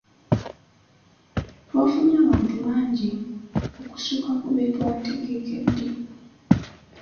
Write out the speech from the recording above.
Twafunye abantu bangi okusukka ku be twategekedde.